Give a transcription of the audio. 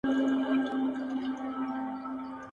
غلط دودونه نسلونه خرابوي ډېر,